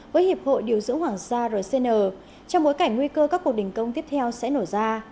với hiệp hội điều dưỡng hoàng gia rcn trong bối cảnh nguy cơ các cuộc đình công tiếp theo sẽ nổ ra